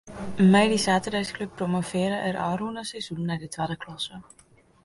Mei dy saterdeisklup promovearre er it ôfrûne seizoen nei de twadde klasse.